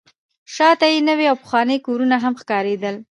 شاته یې نوي او پخواني کورونه هم ښکارېدل.